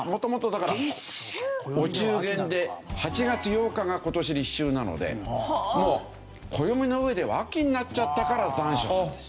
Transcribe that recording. お中元で８月８日が今年立秋なのでもう暦の上では秋になっちゃったから残暑なんです。